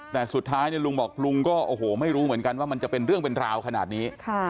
แต่สุดท้ายลุงบอกลุงก็โอ้โหไม่รู้เหมือนกันว่ามันจะเป็นเรื่องเป็นราวขนาดนี้